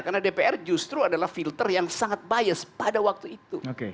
karena dpr justru adalah filter yang sangat bias pada waktu itu